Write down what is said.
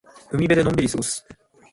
海辺でのんびり過ごす。